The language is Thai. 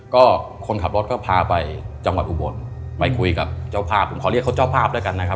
ก็คนขับรถก็พาไปจังหวัดอุบลไปคุยกับเจ้าภาพผมขอเรียกเขาเจ้าภาพแล้วกันนะครับ